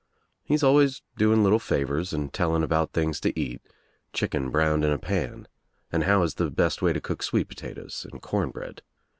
He is always doing little favors and telling about things to eat, chicken browned in a pan, and how is the best way to coc^pfreet potatoes and corn bread.